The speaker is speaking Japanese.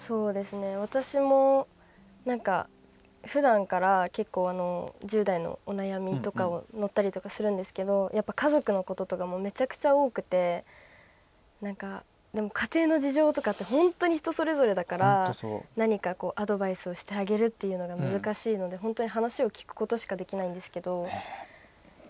私もふだんから、結構１０代のお悩みとかをのったりするんですけど家族のこととかもめちゃくちゃ多くて家庭の事情とかって本当に人それぞれだから何かアドバイスをしてあげるっていうのが難しいので本当に話を聞くことしかできないんですけど。